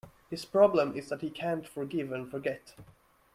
His problem is that he can't forgive and forget